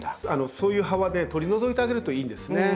そういう葉は取り除いてあげるといいんですね。